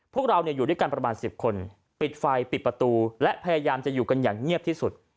พวกเราอยู่ด้วยกันประมาณ๑๐คนปิดไฟปิดประตูและพยายามจะอยู่กันอย่างเงียบที่สุด